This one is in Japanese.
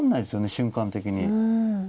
瞬間的に。